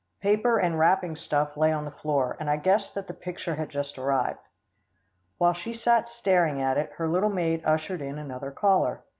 Paper and wrapping stuff lay on the floor, and I guessed that the picture had just arrived. While she sat staring at it, her little maid ushered in another caller.